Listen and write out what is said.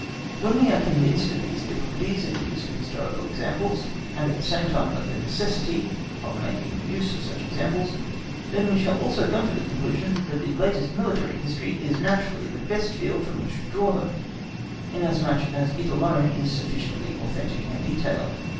When we are convinced of these difficulties in the use of historical examples, and at the same time of the necessity (of making use of such examples), then we shall also come to the conclusion that the latest military history is naturally the best field from which to draw them, inasmuch as it alone is sufficiently authentic and detailed.